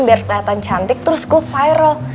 biar kelihatan cantik terus gue viral